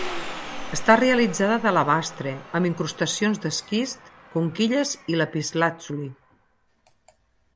Està realitzada d'alabastre, amb incrustacions d'esquist, conquilles i lapislàtzuli.